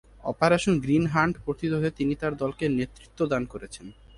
Operation Green Hunt প্রতিরোধে তিনি তার দলকে নেতৃত্ব দান করছেন।